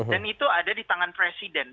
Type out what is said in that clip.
dan itu ada di tangan presiden